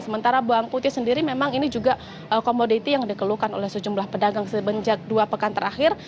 sementara bawang putih sendiri memang ini juga komoditi yang dikeluhkan oleh sejumlah pedagang semenjak dua pekan terakhir